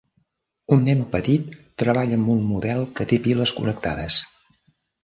Un nen petit treballa amb un model que té piles connectades.